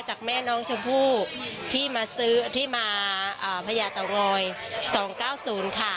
จากแม่น้องชมพู่ที่มาซื้อที่มาอ่าพญาเตางอยสองเก้าศูนย์ค่ะ